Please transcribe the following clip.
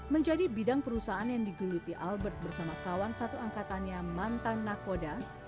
menjadi bidang perusahaan yang digeluti albert bersama kawan satu angkatannya mantan nakoda